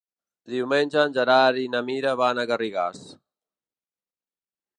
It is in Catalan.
Diumenge en Gerard i na Mira van a Garrigàs.